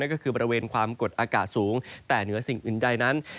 ก็คือบริเวณความกดอากาศสูงแต่เหนือสิ่งอื่นใดนั้น